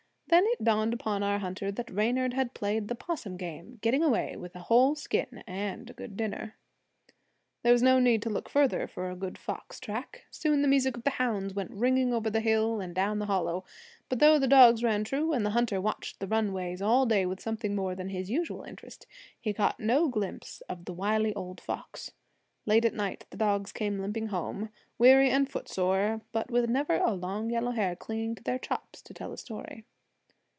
Then it dawned upon our hunter that Reynard had played the possum game on him, getting away with a whole skin and a good dinner. There was no need to look farther for a good fox track. Soon the music of the hounds went ringing over the hill and down the hollow; but though the dogs ran true, and the hunter watched the runways all day with something more than his usual interest, he got no glimpse of the wily old fox. Late at night the dogs came limping home, weary and footsore, but with never a long yellow hair clinging to their chops to tell a story.